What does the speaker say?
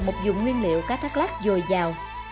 và một dùng nguyên liệu cá thác lát dồi dào